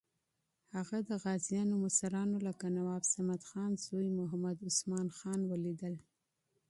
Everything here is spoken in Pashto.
هغه د غازیانو مشرانو لکه نواب صمدخان زوی محمد عثمان خان ولیدل.